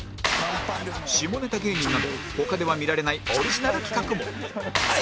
下ネタ芸人など他では見られないオリジナル企画も